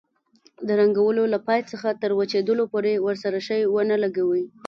د رنګولو له پای څخه تر وچېدلو پورې ورسره شی ونه لګوئ.